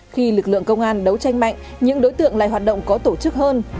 khi lực lượng công an đấu tranh mạnh những đối tượng lại hoạt động có tổ chức hơn